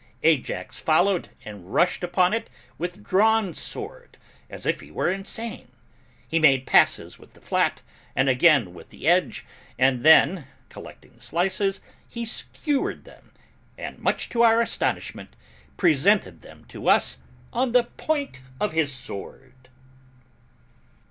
Ajax followed and rushed upon it with drawn sword, as if he were insane, he made passes with the flat, and again with the edge, and then, collecting the slices, he skewered them, and, much to our astonishment, presented them to us on the point of his sword.